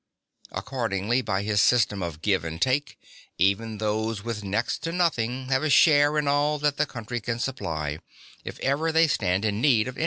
Accordingly, by his system of give and take even those with next to nothing (7) have a share in all that the country can supply, if ever they stand in need of anything.